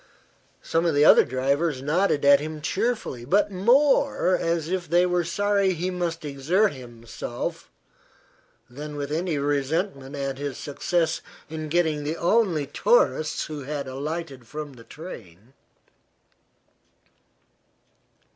Some of the other drivers nodded at him cheerfully, but more as if they were sorry he must exert himself than with any resentment at his success in getting the only tourists who had alighted from the train.